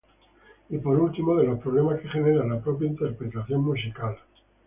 Y por último, de los problemas que genera la propia interpretación musical.